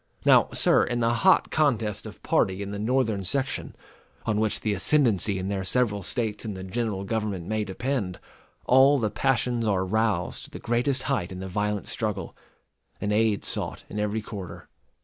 Now, sir, in the hot contest of party in the Northern section, on which the ascendency in their several States and the general government may depend, all the passions are roused to the greatest height in the violent struggle, and aid sought in every quarter.